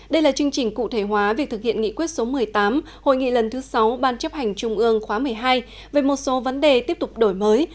đây là chương trình cụ thể hóa việc thực hiện nghị quyết số một mươi tám hội nghị lần thứ sáu ban chấp hành trung ương khóa một mươi hai về một số vấn đề tiếp tục đổi mới